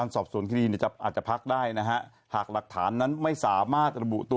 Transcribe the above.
สอบสวนคดีเนี่ยจะอาจจะพักได้นะฮะหากหลักฐานนั้นไม่สามารถระบุตัว